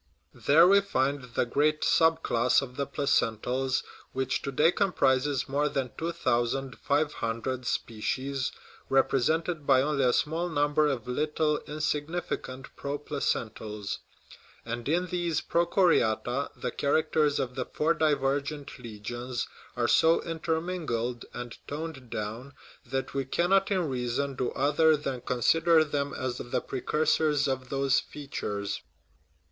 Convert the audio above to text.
There we find the great sub class of the placentals, which to day comprises more than two thousand five hundred species, represented by only a small number of little, insignificant "pro placentals"; and in these prochoriata the characters of the four divergent legions are so intermingled and toned down that we cannot in reason do other than consider them as the precursors of those features.